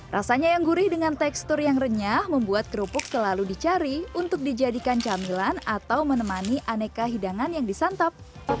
rasanya yang gurih dengan tekstur yang renyah membuat kerupuk selalu dicari untuk dijadikan camilan atau menemani aneka hidangan yang disantap